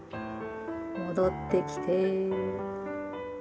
戻ってきて。